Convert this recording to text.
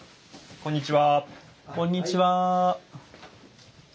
こんにちは。